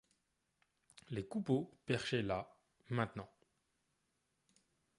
Les Coupeau perchaient là, maintenant.